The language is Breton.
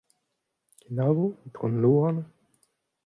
Kenavo Itron Louarn.